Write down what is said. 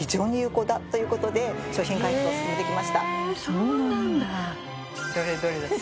そうなんだ。